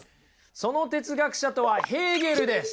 その哲学者とはヘーゲルです。